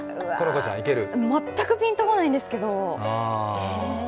全くピンとこないんですけど。